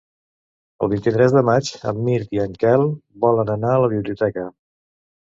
El vint-i-tres de maig en Mirt i en Quel volen anar a la biblioteca.